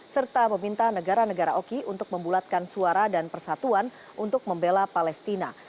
serta meminta negara negara oki untuk membulatkan suara dan persatuan untuk membela palestina